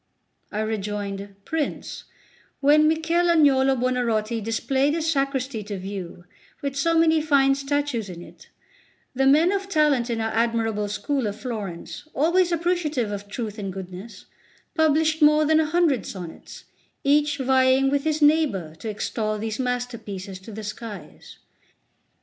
I rejoined: "Prince, when Michel Agnolo Buonarroti displayed his Sacristy to view, with so many fine statues in it, the men of talent in our admirable school of Florence, always appreciative of truth and goodness, published more than a hundred sonnets, each vying with his neighbour to extol these masterpieces to the skies.